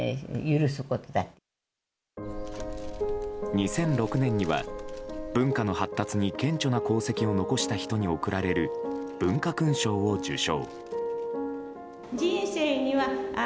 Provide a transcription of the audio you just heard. ２００６年には文化の発達に顕著な功績を残した人に贈られる文化勲章を受章。